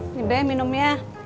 ini be minum ya